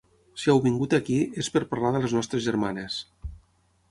Si heu vingut aquí, és per parlar de les nostres germanes.